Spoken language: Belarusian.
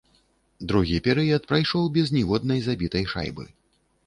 Другі перыяд прайшоў без ніводнай забітай шайбы.